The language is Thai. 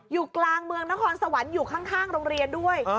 อยู่กลางเมืองนครสวรรค์อยู่ข้างโรงเรียนด้วย